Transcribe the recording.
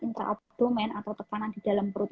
intraplemen atau tekanan di dalam perut